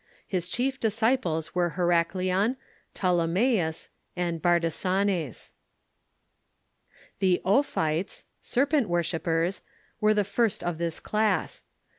His chief disciples were Herac leon, Ptolemaeus, and Bardesanes. The Ophites (serpent worshippers) were the first of this class.